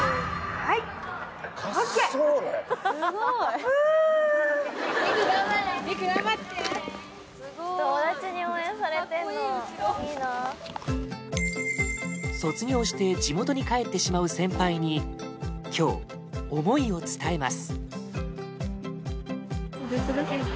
はい卒業して地元に帰ってしまう先輩に今日思いを伝えます